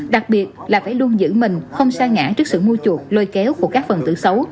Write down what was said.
đặc biệt là phải luôn giữ mình không xa ngã trước sự mua chuột lôi kéo của các phần tử xấu